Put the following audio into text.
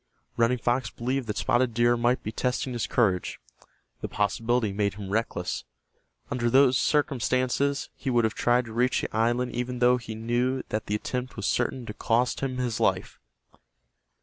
Running Fox believed that Spotted Deer might be testing his courage. The possibility made him reckless. Under those circumstances he would have tried to reach the island even though he knew that the attempt was certain to cost him his life.